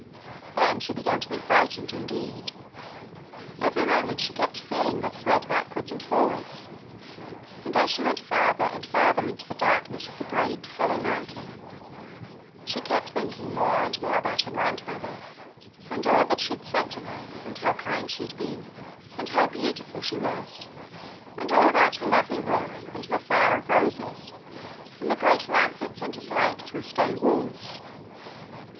Then she began to be frightened indeed. Every moment she kept feeling the thread backwards and forwards, and as she went farther and farther into the darkness of the great hollow mountain, she kept thinking more and more about her grandmother, and all that she had said to her, and how kind she had been, and how beautiful she was, and all about her lovely room, and the fire of roses, and the great lamp that sent its light through stone walls.